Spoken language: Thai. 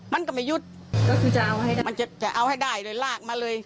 มันจะเอาให้ได้เลยลากมาเลย